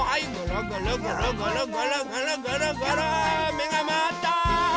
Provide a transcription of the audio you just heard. めがまわった！